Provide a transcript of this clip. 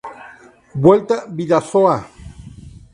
Vuelta Bidasoa.